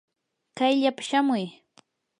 kayllapa shamuy.